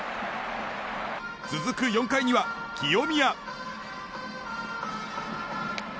続く４回には清宮。